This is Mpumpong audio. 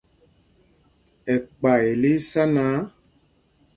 Ɛkpay lí í sá náǎ,